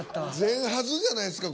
全ハズじゃないですか？